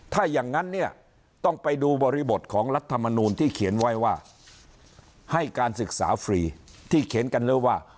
ถ้าอย่างนั้นเนี่ยต้องไปดูบริบทของรัฐมนูลที่เขียนไว้ว่าให้การศึกษาฟรีที่เขียนกันเลยว่า